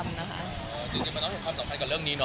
จริงเหมือนต้องเข้าใจความสำคัญกับเรื่องนี้เนี่ย